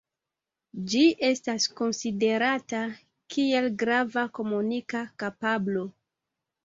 Ĝi estas konsiderata kiel grava komunika kapablo.